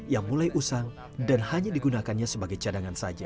yang mulai usang dan hanya digunakannya sebagai cadangan saja